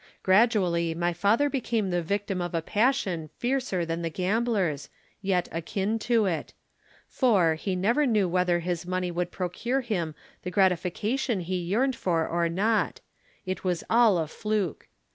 Gradually my father became the victim of a passion fiercer than the gambler's, yet akin to it. For, he never knew whether his money would procure him the gratification he yearned for or not; it was all a fluke.